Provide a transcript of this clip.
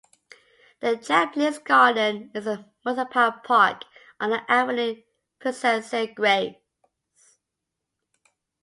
The Japanese Garden is a municipal park on the Avenue Princesse Grace.